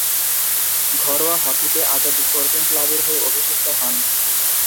ঘরোয়া হকিতে আজাদ স্পোর্টিং ক্লাবের হয়ে অভিষিক্ত হন।